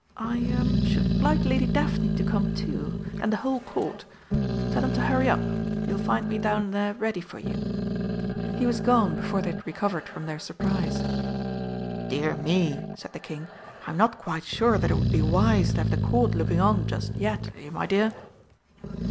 I er should like Lady Daphne to come, too, and the whole Court. Tell 'em to hurry up. You'll find me down there ready for you." He was gone before they had recovered from their surprise. "Dear me," said the King, "I'm not quite sure that it would be wise to have the Court looking on just yet, eh, my dear?"